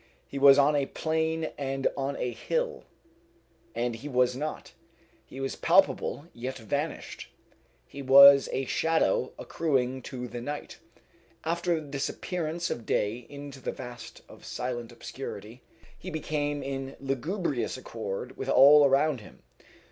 He was on a plain and on a hill, and he was not. He was palpable, yet vanished. He was a shadow accruing to the night. After the disappearance of day into the vast of silent obscurity, he became in lugubrious accord with all around him.